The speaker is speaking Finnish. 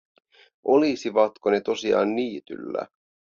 Olisivatko ne tosiaan niityllä?